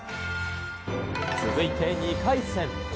続いて２回戦。